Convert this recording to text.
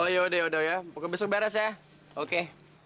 oh yaudah yaudah ya muka besok beres ya oke